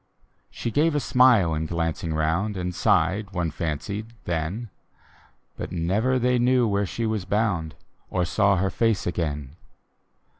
She gave a smile in glancing round, And sighed, one fancied, then — But never they knew where she was bound, Or saw her face again.